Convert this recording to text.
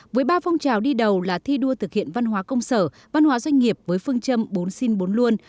với ba phong trào đi đầu là thi đua thực hiện văn hóa công sở văn hóa doanh nghiệp với phương châm bốn xin bốn luôn